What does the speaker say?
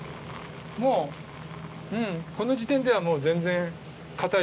もうこの時点ではもう全然硬いですよ。